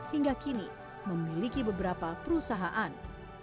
hingga kini memiliki beberapa perusahaan